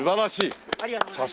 ありがとうございます。